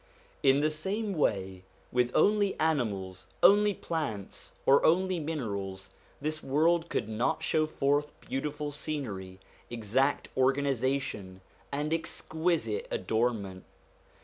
In the same way, with only animals, only plants, or only minerals, this world could not show forth beautiful scenery, exact organisation, and exquisite adornment.